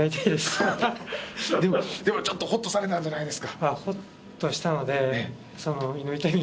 でもちょっとほっとされたんじゃないですか？